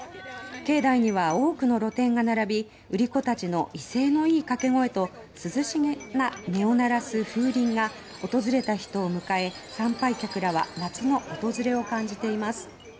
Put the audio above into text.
境内には多くの露店が並び売り子たちの威勢のいい掛け声と涼しげな音を鳴らす風鈴が訪れた人を迎え参拝客らは夏の訪れを感じています。